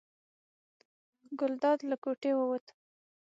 ګلداد له کوټې ووت.